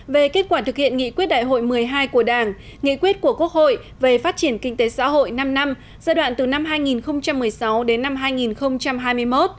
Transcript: về kết quả thực hiện nghị quyết đại hội một mươi hai của đảng nghị quyết của quốc hội về phát triển kinh tế xã hội năm năm giai đoạn từ năm hai nghìn một mươi sáu đến năm hai nghìn hai mươi một